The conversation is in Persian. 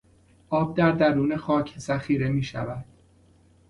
آب در درون خاک ذخیره میشود.